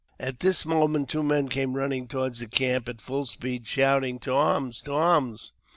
At this moment two men came running toward the camp at full speed, shouting, " To arms ! to arms